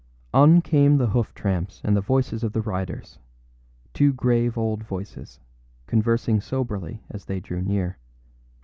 On came the hoof tramps and the voices of the riders, two grave old voices, conversing soberly as they drew near.